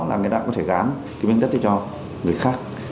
là người ta có thể gán cái miếng đất cho người khác